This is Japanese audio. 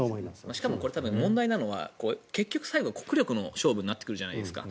しかも問題なのは結局最後は国力の勝負になってくるじゃないですか。